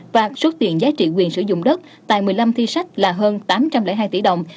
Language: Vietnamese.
và số tiền giá trị quyền sử dụng đất tại một mươi năm thi sách là hơn tám trăm linh hai tỷ đồng